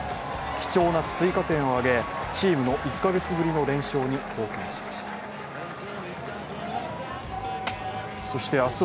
貴重な追加点を挙げチームの１カ月ぶりの連勝に貢献しました。